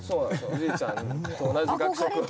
おじいちゃんと同じ学食を。